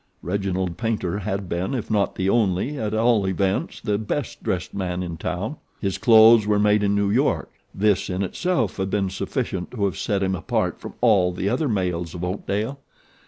Reginald Paynter had been, if not the only, at all events the best dressed man in town. His clothes were made in New York. This in itself had been sufficient to have set him apart from all the other males of Oakdale.